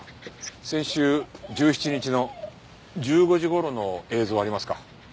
先週１７日の１５時頃の映像ありますか？